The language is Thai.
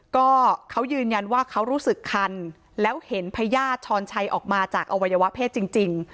ก็เขายืนยันว่าเขารู้สึกคันแล้วเห็นพญาติช้อนชัยออกมาจากอวัยวะเพศจริง